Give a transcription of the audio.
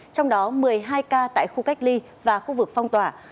trong đó một mươi hai ca tại khu cách ly và khu vực phong tỏa